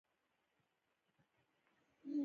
موږ به تر هغه وخته پورې د کتابتونونو ملاتړ کوو.